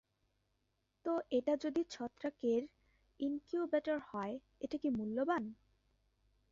তো এটা যদি ছত্রাকের ইনকিউবেটর হয়, এটা কি মূল্যবান?